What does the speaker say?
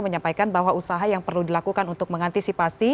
menyampaikan bahwa usaha yang perlu dilakukan untuk mengantisipasi